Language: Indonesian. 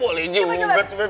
boleh juga bet bet bet